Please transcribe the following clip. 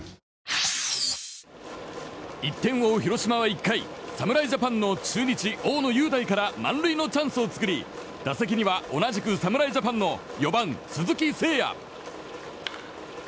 １点を追う広島は１回侍ジャパンの中日、大野雄大から満塁のチャンスを作り打席には同じく侍ジャパンの４番、鈴木誠也。